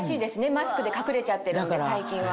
マスクで隠れちゃってるんで最近は。